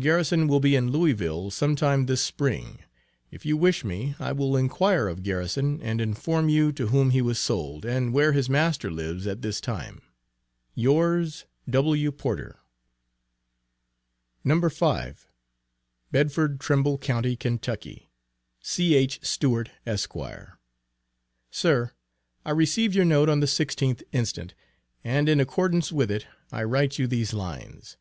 Garrison will be in Louisville some time this Spring; if you wish me, I will inquire of Garrison and inform you to whom he was sold, and where his master lives at this time. Yours, W. PORTER. [No. 5.] BEDFORD, TRIMBLE COUNTY, KY. C.H. STEWART, ESQ., SIR. I received your note on the 16th inst., and in accordance with it I write you these lines.